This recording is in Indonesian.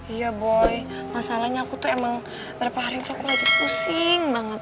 iya boy masalahnya aku tuh emang beberapa hari itu aku lagi pusing banget